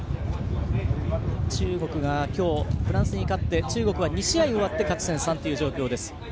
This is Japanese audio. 中国が今日フランスに勝って２試合終わって勝ち点３という状況です。